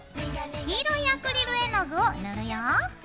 黄色いアクリル絵の具を塗るよ。